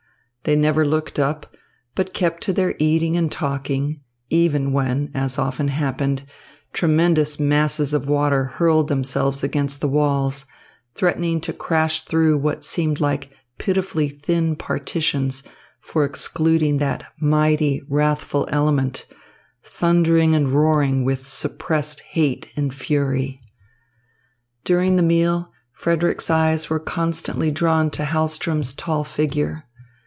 They never looked up, but kept to their eating and talking, even when, as often happened, tremendous masses of water hurled themselves against the walls, threatening to crash through what seemed like pitifully thin partitions for excluding that mighty, wrathful element, thundering and roaring with suppressed hate and fury. During the meal Frederick's eyes were constantly drawn to Hahlström's tall figure.